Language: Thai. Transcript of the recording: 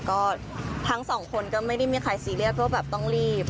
ก็ทั้งสองคนก็ไม่ได้มีใครซีเรียสว่าแบบต้องรีบ